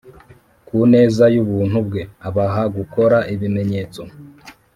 Ku neza y’ubuntu bwe abaha gukora ibimenyetso